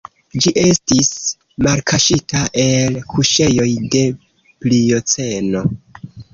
Ĝi estis malkaŝita el kuŝejoj de Plioceno.